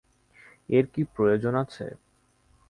এর কী প্রয়োজন আছে?